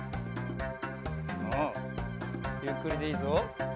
おおゆっくりでいいぞ。